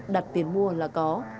đặt tiền mua là có